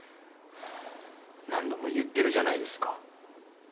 何度も言ってるじゃないですか。